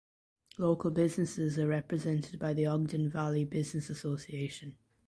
Local businesses are represented by the Ogden Valley Business Association.